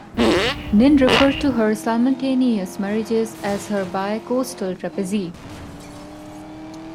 Nin referred to her simultaneous marriages as her "bicoastal trapeze".